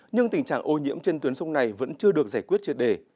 nhưng tình trạng ô nhiễm trên tuyến sông này vẫn chưa được giải quyết truyệt để